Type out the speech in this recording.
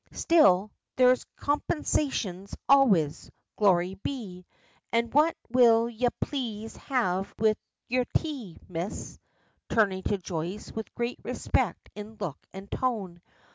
Still, there's compinsations always, glory be! An' what will ye plaze have wid yer tay, Miss?" turning to Joyce with great respect in look and tone.